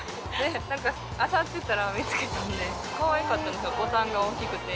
なんかあさってたら、見つけたんで、かわいかったんですよ、ボタンが大きくて。